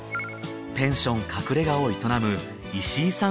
ペンション隠れ家を営む石井さん